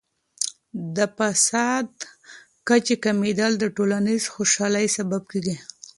د فساد کچې کمیدل د ټولنیز خوشحالۍ سبب کیږي.